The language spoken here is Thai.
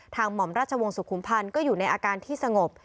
หม่อมราชวงศ์สุขุมพันธ์ก็อยู่ในอาการที่สงบ